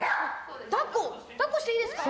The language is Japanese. だっこしていいですか？